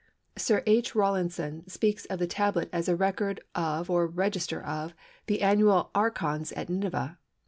Sir H. Rawlinson speaks of the tablet as a record of or register of the annual archons at Nineveh.